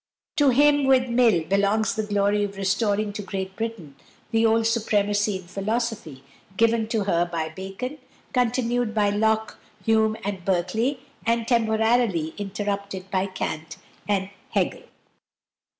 To him, with Mill, belongs the glory of restoring to Great Britain the old supremacy in philosophy given to her by Bacon, continued by Locke, Hume, and Berkeley, but temporarily interrupted by Kant and Hegel.